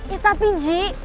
ya tapi ji